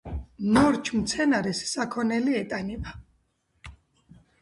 ნორჩ მცენარეს საქონელი ეტანება.